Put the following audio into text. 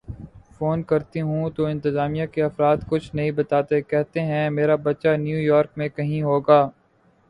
phone کرتی ہوں تو انتظامیہ کے افراد کچھ نہیں بتاتے کہتے ہیں میرا بچہ نیویارک میں کہیں ہوگا